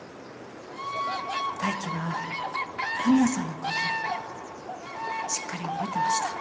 泰生は文哉さんの顔をしっかり覚えてました。